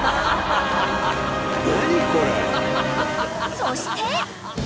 ［そして］